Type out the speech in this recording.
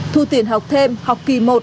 thu tiền học thêm học kỳ một